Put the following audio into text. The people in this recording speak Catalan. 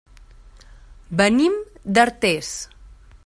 Venim d'Artés.